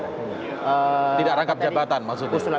tidak rangkap jabatan maksudnya